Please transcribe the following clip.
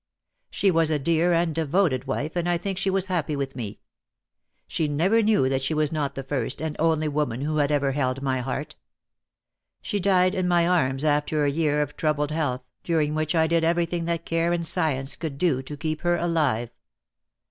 "She was a dear and devoted wife, and I think she was happy with me. She never knew that she was not the first and only woman who had ever held my heart. She died in my arms after a year of troubled health, during which I did everything that care and science could do to keep her alive.